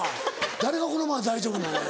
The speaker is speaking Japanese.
誰がこのままで大丈夫なのよ。